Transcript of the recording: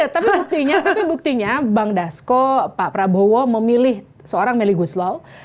tapi buktinya tapi buktinya bang dasko pak prabowo memilih seorang meli guslaw